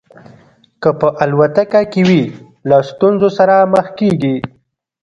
که په الوتکه کې وي له ستونزو سره مخ کېږي.